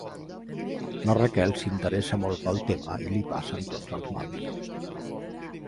La Raquel s'interessa molt pel tema i li passen tots els mals.